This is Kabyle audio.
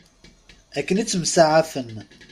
Akken ittemsaɛafen.